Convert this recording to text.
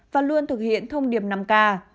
và luôn thực hiện thông điệp năm k